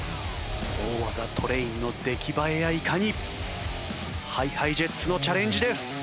大技トレインの出来栄えやいかに？ＨｉＨｉＪｅｔｓのチャレンジです。